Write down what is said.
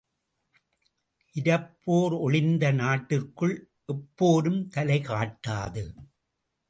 இரப்போர் ஒழிந்த நாட்டிற்குள் எப்போரும் தலை காட்டாது.